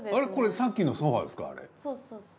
さっきのソファーですか？